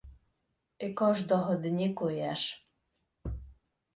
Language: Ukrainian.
— Й кождого дні куєш?